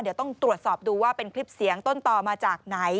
เดี๋ยวต้องตรวจสอบดูว่าเป็นคลิปเสียงต้นต่อมาจากไหน